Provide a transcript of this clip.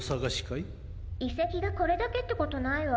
いせきがこれだけってことないわ。